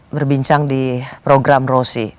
berbincang di program rosi